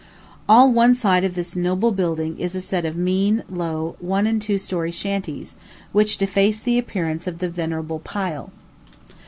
All one side of this noble building is a set of mean, low, one and two story shanties, which deface the appearance of the venerable pile.